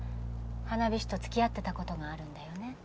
花火師とつきあってたことがあるんだよね？